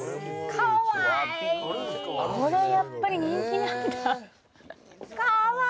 これやっぱり人気なんだ可愛い！